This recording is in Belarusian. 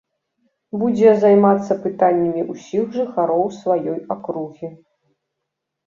Будзе займацца пытаннямі ўсіх жыхароў сваёй акругі.